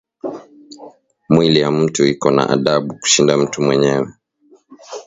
Mwili ya mtu iko na adabu kushinda mtu mwenyewe